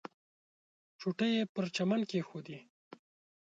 چوټې یې پر چمن کېښودې.